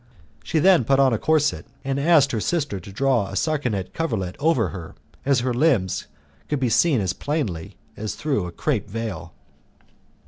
She then put on a corset and asked her sister to draw a sarcenet coverlet over her, as her limbs could be seen as plainly as through a crape veil.